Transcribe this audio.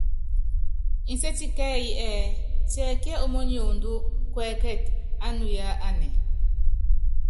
Nsétie kɛ́ɛ́yí ɛɛ: Tiɛkíɛ ómóniondó kuɛ́kɛtɛ ánuya anɛ ?